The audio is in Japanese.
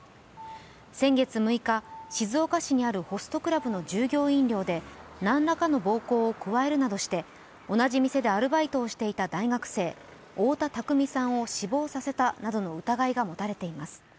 先月６日、静岡市にあるホストクラブの従業員寮で何らかの暴行を加えるなどして同じ店でアルバイトをしていた大学生、太田琢巳さんを死亡させたなどの疑いが持たれています。